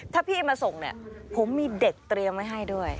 ถ้าพี่มาส่งเนี่ยผมมีเด็กเตรียมไว้ให้ด้วย